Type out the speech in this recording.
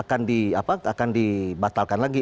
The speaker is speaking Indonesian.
akan dibatalkan lagi